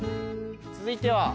続いては？